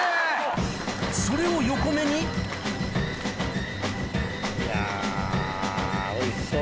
それを横目にいやおいしそうに。